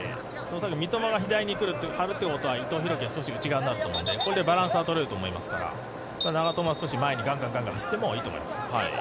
三笘が左に張るっていうことは伊藤洋輝が少し内側になると思うのでこれでバランスはとれると思いますから長友は前にガンガン走ってもいいと思います。